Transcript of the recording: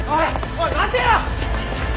おい待てよ！